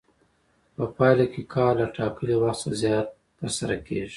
په پایله کې کار له ټاکلي وخت څخه زیات ترسره کېږي